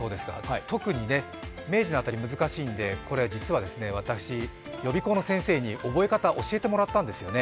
特に明治の辺り難しいので、これ実は私、予備校の先制に覚え方を教わったんですよね。